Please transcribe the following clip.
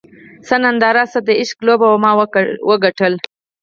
څه ننداره څه د عشق لوبه وه ما وګټله